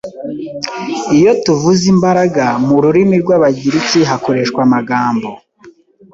Iyo tuvuze “imbaraga”mu rurimi rw’abagiriki hakoreshwa amagambo